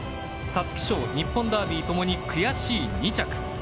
皐月賞、日本ダービーともに悔しい２着。